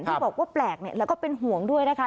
ที่บอกว่าแปลกแล้วก็เป็นห่วงด้วยนะคะ